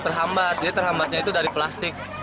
terhambat jadi terhambatnya itu dari plastik